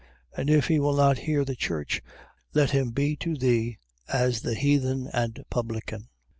And if he will not hear the church, let him be to thee as the heathen and publican.